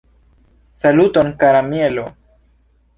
Saluton kara Mielo!